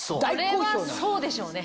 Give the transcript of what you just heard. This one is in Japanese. それはそうでしょうね。